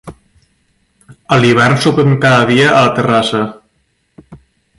A l'hivern sopem cada dia a la terrassa.